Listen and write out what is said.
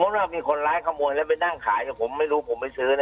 สมมุติว่ามีคนร้ายขโมยแล้วไปนั่งขายแต่ผมไม่รู้ผมไปซื้อ